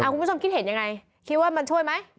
คุณผู้ชมคิดเห็นยังไงคิดว่ามันช่วยไหม